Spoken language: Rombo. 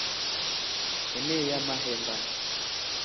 Eneyaa mahemba.